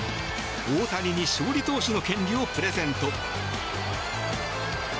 大谷に勝利投手の権利をプレゼント。